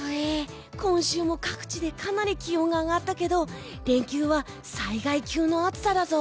今週も各地でかなり気温が上がったけど連休は災害級の暑さだぞ。